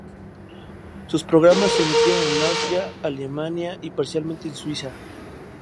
Sus programas se emitieron en Austria, Alemania y parcialmente en Suiza.